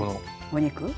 お肉。